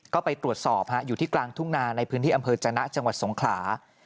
ก็ไปตรวจสอบอยู่ที่กลางทุ่งนาในพื้นที่อำเภอจนะจังหวัดสงขลา